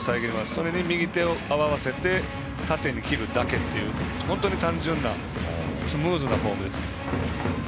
それに右手を合わせて縦に切るだけという本当に単純でスムーズなボールです。